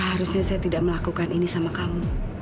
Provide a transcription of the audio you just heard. harusnya saya tidak melakukan ini sama kamu